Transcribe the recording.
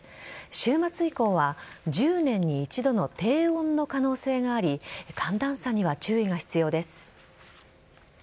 週末以降は１０年に一度の低温の可能性があり寒暖差に注意が必要です。